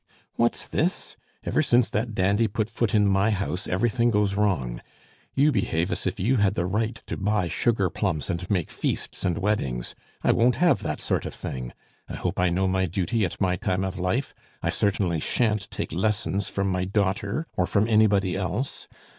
"What's this? Ever since that dandy put foot in my house everything goes wrong! You behave as if you had the right to buy sugar plums and make feasts and weddings. I won't have that sort of thing. I hope I know my duty at my time of life! I certainly sha'n't take lessons from my daughter, or from anybody else.